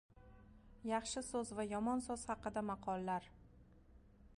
Yaxshi so‘z va yomon so‘z haqida maqollar.